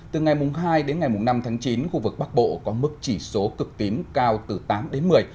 từ ngày hai đến ngày năm tháng chín khu vực bắc bộ có mức chỉ số cực tím cao từ tám đến một mươi